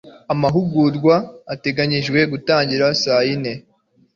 Amahugurwa ateganijwe gutangira saa yine.